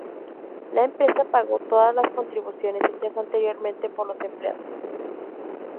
La empresa pagó todas las contribuciones hechas anteriormente por los empleados.